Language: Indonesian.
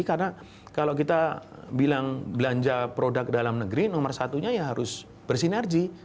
karena kalau kita bilang belanja produk dalam negeri nomor satunya ya harus bersinergi